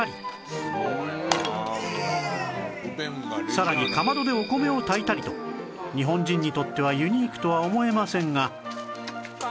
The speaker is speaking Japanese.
さらにかまどでお米を炊いたりと日本人にとってはユニークとは思えませんが